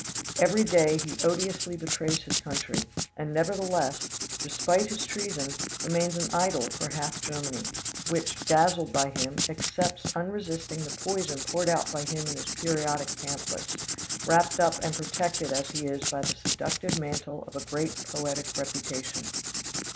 Every day he odiously betrays his country, and nevertheless, despite his treason, remains an idol for half Germany, which, dazzled by him, accepts unresisting the poison poured out by him in his periodic pamphlets, wrapped up and protected as he is by the seductive mantle of a great poetic reputation.